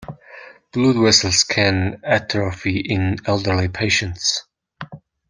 Blood vessels can atrophy in elderly patients.